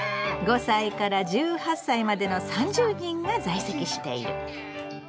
５歳から１８歳までの３０人が在籍している。